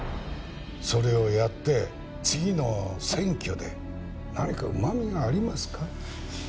それをやって次の選挙で何かうまみがありますか？